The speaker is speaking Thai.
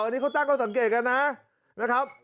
อันนี้เขาตั้งข้อสังเกตกันนะครับ